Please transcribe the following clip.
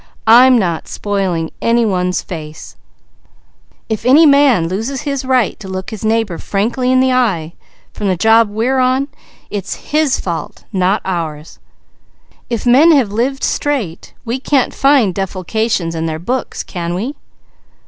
I'm not spoiling any one's face. If any man loses his right to look his neighbour frankly in the eye, from the job we're on, it is his fault, not ours. If men have lived straight we can't find defalcations in their books, can we?"